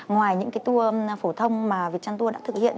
ngoài những tour phổ thông mà việt tran tour đã thực hiện